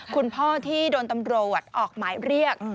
คุณพ่อที่โดนตำรวจออกหมายเรียก